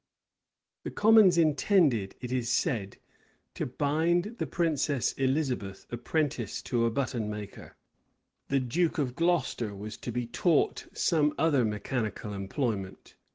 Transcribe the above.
The commons intended, it is said, to bind the princess Elizabeth apprentice to a button maker: the duke of Gloucester was to be taught some other mechanical employment.